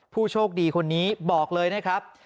ผู้โชคดีคนนี้บอกเลยนะครับ